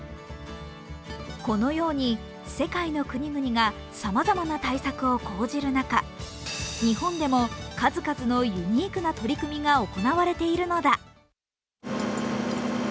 このように世界の国々がさまざまな対策を講じる中、日本でも数々のユニークな取り組みが行われているのだ。